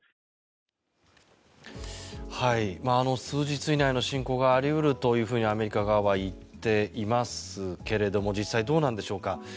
数日以内の侵攻があり得るというふうにアメリカ側は言っていますけれども実際、どうなんでしょうか。